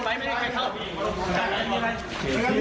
กำลังมาได้เจอแน่นอนที่ป่วย